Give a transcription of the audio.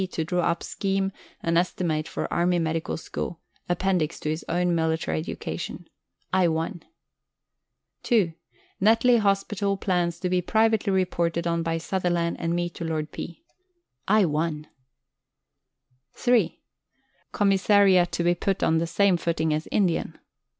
to draw up scheme and estimate for Army Medical School, appendix to his own Military Education. I won. (2) Netley Hospital plans to be privately reported on by Sutherland and me to Lord P. I won. (3) Commissariat to be put on same footing as Indian.